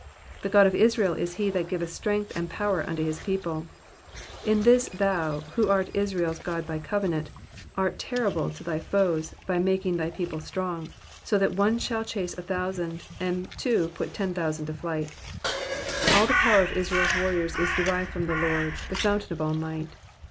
^''The Qod of Israel is he that giveth strength and power unto his people,'''' In this thou, who art Israel's God by covenant, art terrible to thy foes by making thy people strong, so that one shall chase a thousand, and two put ten thousand to flight. All the power of Israel's warriors is derived from the Lord, the fountain of all might.